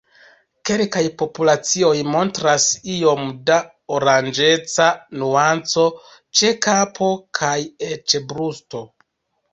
Kelkaj populacioj montras iom da oranĝeca nuanco ĉe kapo kaj eĉ brusto.